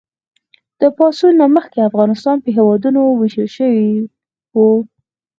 د پاڅون نه مخکې افغانستان په هېوادونو ویشل شوی و.